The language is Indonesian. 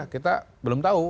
kita belum tahu